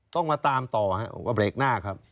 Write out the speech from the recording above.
ต้องมาตามต่อผมก็เบรกหน้าครับ